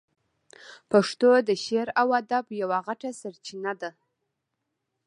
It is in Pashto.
پښتو د شعر او ادب یوه غټه سرچینه ده.